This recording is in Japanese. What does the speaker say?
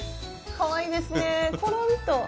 かわいいですねころんと。